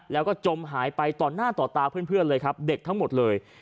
แล้วก็จมหายไปต่อหน้าต่อตาเพื่อนเลยครับเด็กทั้งหมดเลย